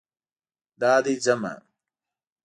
دا دی ځمه